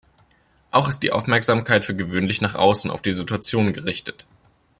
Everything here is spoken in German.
Auch ist die Aufmerksamkeit für gewöhnlich nach außen, auf die Situation gerichtet.